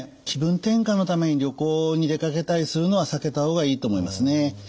気分転換のために旅行に出かけたりするのは避けた方がいいと思いますね。